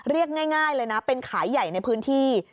เรียกง่ายเลยนะเป็นขายใหญ่ในพื้นที่